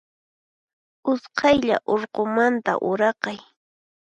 Usqaylla urqumanta uraqay.